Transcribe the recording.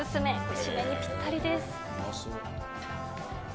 締めにぴったりです。